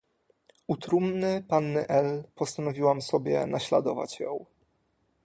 "U trumny panny L. postanowiłam sobie naśladować ją."